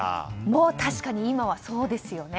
もう確かに今はそうですよね。